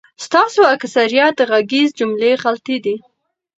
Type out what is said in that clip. ستاسو اکثریت غږیز جملی خلطی دی